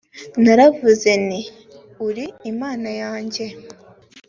naravuze nti uri imana yanjye